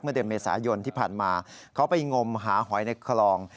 เดือนเมษายนที่ผ่านมาเขาไปงมหาหอยในคลอง